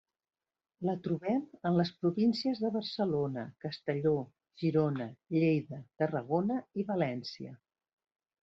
La trobem en les províncies de Barcelona, Castelló, Girona, Lleida, Tarragona i València.